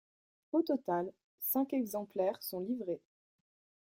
Au total, cinq exemplaires sont livrés.